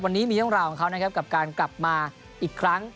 วันนี้มีเรื่องราวของเขานะครับกับการกลับมาอีกครั้ง